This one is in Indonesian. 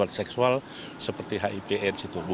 jadi jangan salah persepsi karena penularan itu tidak akan berhasil